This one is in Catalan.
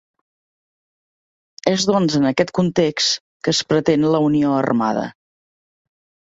És doncs en aquest context que es pretén la Unió Armada.